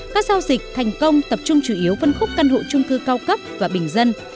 các giao dịch thành công tập trung chủ yếu phân khúc căn hộ trung cư cao cấp và bình dân